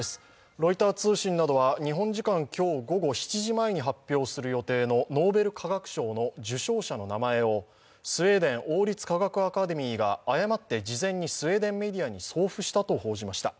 ロイター通信などは日本時間今日午後７時前に発表する予定のノーベル化学賞の受賞者の名前をスウェーデン王立科学アカデミーが誤って事前にスウェーデンメディアに送付したと報じました